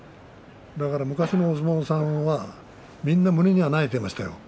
だから昔のお相撲さんは右の胸には慣れていましたよ。